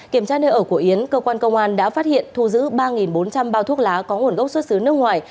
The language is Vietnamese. kiểm tra nơi ở của yến cơ quan công an đã phát hiện thu giữ ba bốn trăm linh bao thuốc lá có nguồn gốc xuất xứ nước ngoài